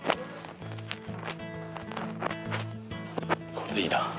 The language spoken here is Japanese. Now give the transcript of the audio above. これでいいな。